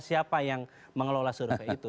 siapa yang mengelola survei itu